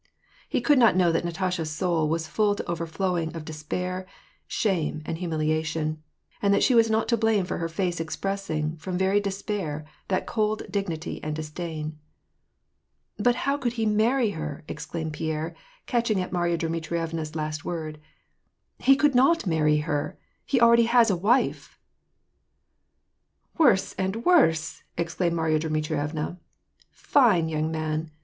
He could r not know that Natasha's soul was full to overflowing of de spair, shame, humiliation ; and that she was not to blame for her face expressing, from very despair, that cold dignity and disdain. " But how could he marry her ?" exclaimed Pierre, catch ing at Mary a Dmitrievna's last word. " He could not marry her : he already has a wife." " Woree and worse !" exclaimed Marya Dmitrie vna. " Fine young man